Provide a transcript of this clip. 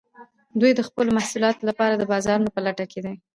دوی د خپلو محصولاتو لپاره د بازارونو په لټه کې دي